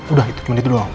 udah cuma itu doang